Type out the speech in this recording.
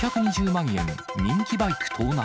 ５２０万円、人気バイク盗難。